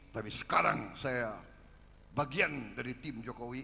tapi sekarang saya bagian dari tim jokowi